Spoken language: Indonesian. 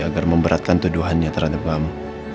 agar memberatkan tuduhannya terhadap mama